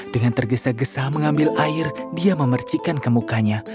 dengan tergesa gesa mengambil air dia memercikan kemukanya